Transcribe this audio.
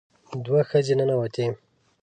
دوه ښځې ننوتې.